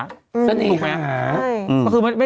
ถูกไหมถูกไหมใช่